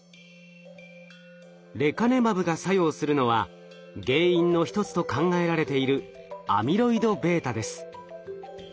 レカネマブが作用するのは原因の一つと考えられているアミロイドβです。